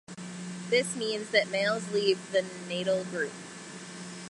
This means that males leave the natal group.